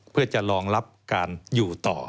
เพื่อจะรองรับการอยู่ต่อ